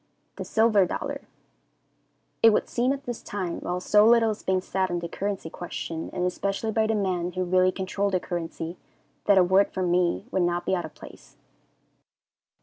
The Silver Dollar. It would seem at this time, while so little is being said on the currency question, and especially by the men who really control the currency, that a word from me would not be out of place.